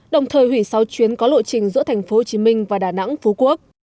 đồng thời hủy sáu chuyến có lộ trình giữa thành phố hồ chí minh và đà nẵng phú quốc